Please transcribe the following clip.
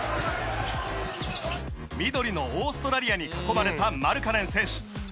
緑のオーストラリアに囲まれたマルカネン選手。